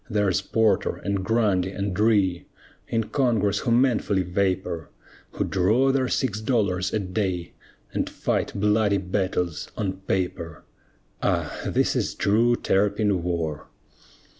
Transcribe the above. There's Porter and Grundy and Rhea, In Congress who manfully vapor, Who draw their six dollars a day, And fight bloody battles on paper! Ah! this is true Terrapin war.